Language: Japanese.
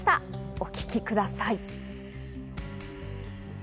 お聞きください。